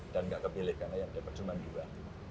dan gak ke pilih karena yang dapat cuma dua